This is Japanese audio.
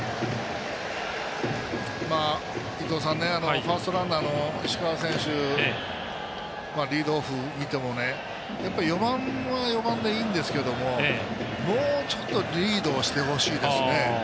ファーストランナーの石川選手リードオフ見ても４番は４番でいいんですけどもうちょっとリードしてほしいですね。